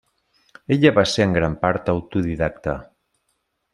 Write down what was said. Ella va ser en gran part autodidacta.